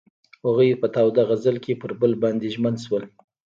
هغوی په تاوده غزل کې پر بل باندې ژمن شول.